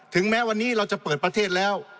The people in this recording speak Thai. แม้วันนี้เราจะเปิดประเทศแล้ว